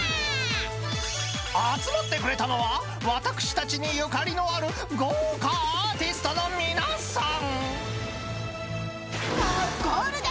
［集まってくれたのは私たちにゆかりのある豪華アーティストの皆さん］